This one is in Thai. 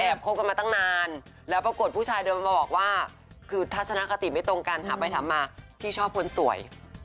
คบกันมาตั้งนานแล้วปรากฏผู้ชายเดินมาบอกว่าคือทัศนคติไม่ตรงกันถามไปถามมาพี่ชอบคนสวย